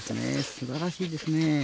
素晴らしいですね。